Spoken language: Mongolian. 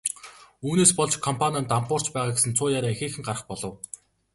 Үүнээс болж компани нь дампуурч байгаа гэсэн цуу яриа ихээхэн гарах болов.